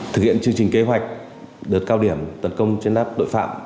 thực hiện chương trình kế hoạch đợt cao điểm tấn công chiến đáp tội phạm